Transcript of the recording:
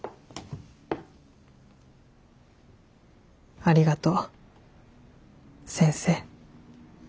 ありがとう先生。